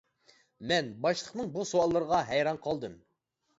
مەن باشلىقنىڭ بۇ سوئاللىرىغا ھەيران قالدىم.